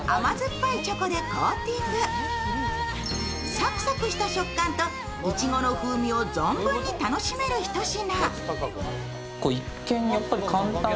サクサクした食感と、いちごの風味を存分に楽しめるひと品。